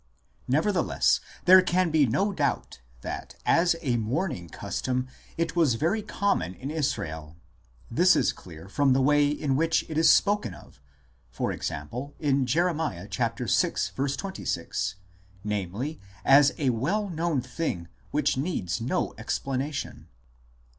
Nevertheless, there can be no doubt that as a mourn ing custom it was very common in Israel ; this is clear from the way in which it is spoken of, e.g. in Jer. vi. 26, namely as a well known thing which needs no explanation.